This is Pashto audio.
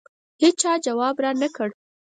هېچا ځواب رانه کړ.